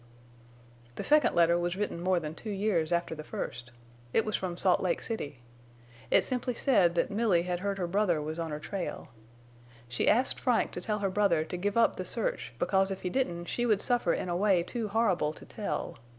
"The second letter was written more than two years after the first. It was from Salt Lake City. It simply said that Milly had heard her brother was on her trail. She asked Frank to tell her brother to give up the search because if he didn't she would suffer in a way too horrible to tell.